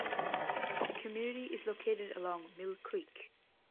The community is located along Mill Creek.